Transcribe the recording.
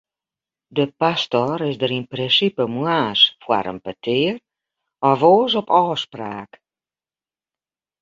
De pastor is der yn prinsipe moarns foar in petear, of oars op ôfspraak.